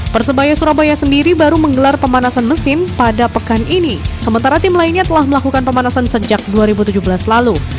persebaya surabaya sendiri baru menggelar pemanasan mesin pada pekan ini sementara tim lainnya telah melakukan pemanasan sejak dua ribu tujuh belas lalu